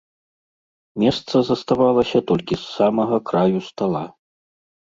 Месца заставалася толькі з самага краю стала.